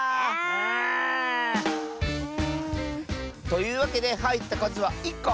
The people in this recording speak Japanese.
というわけではいったかずは１こ。